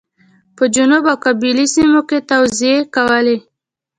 په جنوب او قبایلي سیمو کې توزېع کولې.